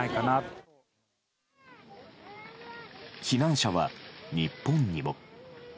避難者は日本にも。